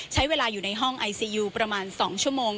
ใช้เวลาอยู่ในห้องไอซียูประมาณ๒ชั่วโมง